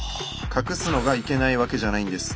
隠すのがいけないわけじゃないんです。